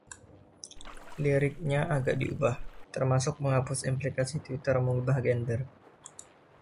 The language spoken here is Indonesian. Liriknya agak diubah, termasuk menghapus implikasi Tweeter mengubah gender.